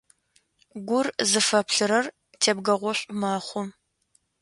Гур зыфэплърэр тебгэгъошӏу мэхъу.